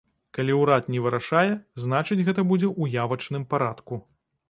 Калі ўрад не вырашае, значыць, гэта будзе ў явачным парадку.